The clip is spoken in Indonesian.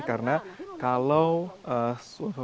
karena kalau mereka mencari bantunang mereka akan mencari bantunang